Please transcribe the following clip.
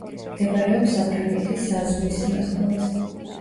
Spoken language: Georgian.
მდებარეობს საფრანგეთის საზღვრის სიახლოვეს.